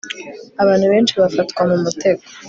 Abantu benshi bafatwa mu mutego